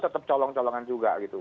tetap colong colongan juga gitu